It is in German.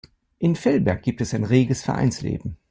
In Vellberg gibt es ein reges Vereinsleben.